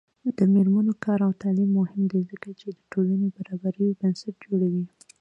د میرمنو کار او تعلیم مهم دی ځکه چې ټولنې برابرۍ بنسټ جوړوي.